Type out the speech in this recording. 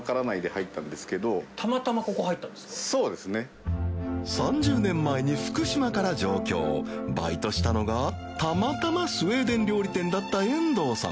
磽械年前に福島から上京礇丱ぅしたのがたまたまスウェーデン料理店だった遠藤さん